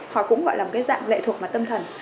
họ cũng gọi là một dạng lệ thuộc vào mặt tâm thần